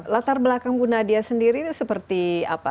latar belakang bu nadia sendiri itu seperti apa